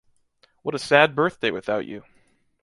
What a sad birthday without you!